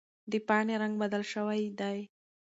د پاڼې رنګ بدل شوی دی.